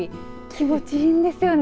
気持ちいいんですよね